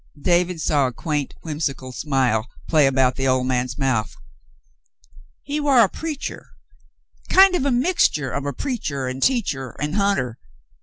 David saw a quaint, whimsical smile play about the old 144 Hoyle visits David 145 man*s mouth. "He war a preacher — kind of a mixtur of a preacher an' teacher an' hunter.